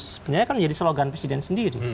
sebenarnya kan menjadi slogan presiden sendiri